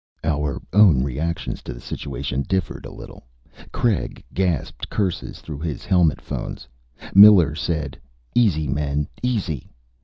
Our own reactions to the situation differed a little. Craig gasped curses through his helmet phones. Miller said, "Easy, men! Easy!"